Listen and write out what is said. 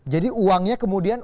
jadi uangnya kemudian